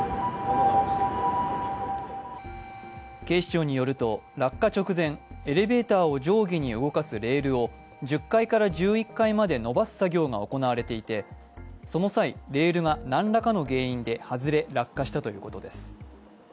警視庁によると、落下直前エレベーターを上下に動かすレールを１０階から１１階まで伸ばす作業が行われていてその際、レールが何らかの原因で外れ、落下したということです。